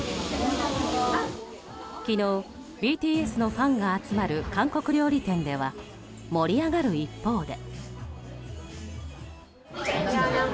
昨日、ＢＴＳのファンが集まる韓国料理店では盛り上がる一方で。